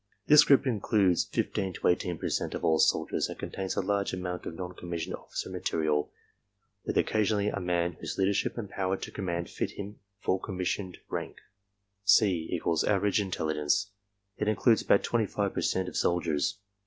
This group includes fifteen to eighteen per cent of all soldiers and contains a large amount of non commissioned officer material with occasionally a man whose leadership and power to command fit him for conamis sioned rank. C = Average intelligence. It includes about twenty five per cent of soldiers.